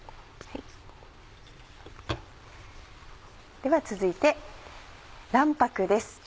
では続いて卵白です。